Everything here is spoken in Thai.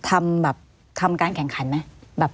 ทำการแก่งขันไหม